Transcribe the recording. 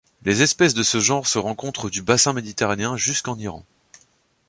Les espèces de ce genre se rencontrent du bassin méditerranéen jusqu'en Iran.